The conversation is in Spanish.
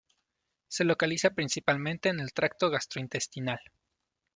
Se localiza principalmente en el tracto gastrointestinal.